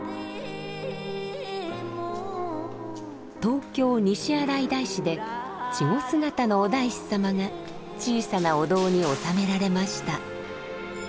東京・西新井大師で稚児姿のお大師様が小さなお堂に納められました。